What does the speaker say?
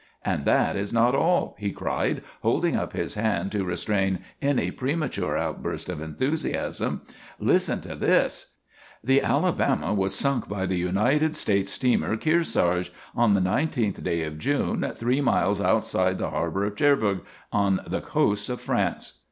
"And that is not all," he cried, holding up his hand to restrain any premature outburst of enthusiasm. "Listen to this! 'The "Alabama" was sunk by the United States steamer "Kearsarge" on the nineteenth day of June, three miles outside the harbor of Cherbourg, on the coast of France.'"